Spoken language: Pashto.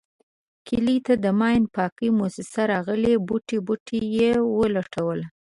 کلي ته د ماین پاکی موسیسه راغلې بوټی بوټی یې و لټولو.